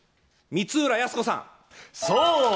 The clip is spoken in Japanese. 光浦靖子さん